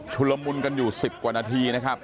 ชุลมุนกันอยู่๑๐กว่านาที